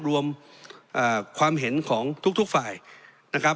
เพราะฉะนั้นโทษเหล่านี้มีทั้งสิ่งที่ผิดกฎหมายใหญ่นะครับ